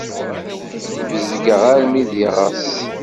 Bezgeɣ armi d iɣes.